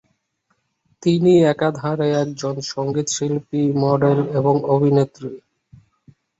তিনি একাধারে একজন সংগীতশিল্পী, মডেল এবং অভিনেত্রী।